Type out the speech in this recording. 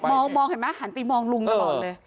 มองเห็นไหมหันไปมองลุงตลอดเลย